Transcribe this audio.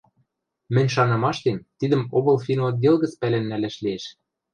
Мӹнь шанымаштем, тидӹм облфинотдел гӹц пӓлен нӓлӓш лиэш.